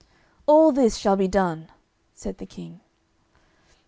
"All this shall be done," said the King.